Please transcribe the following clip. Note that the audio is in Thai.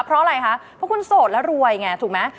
เพราะอะไรคะเพราะคุณโสดแล้วรวยไงถูกไหม